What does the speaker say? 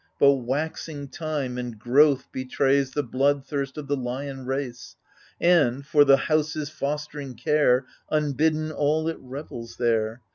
But waxing time and growth betrays The blood thirst of the lion race. And, for the house's fostering care, Unbidden all, it revels there.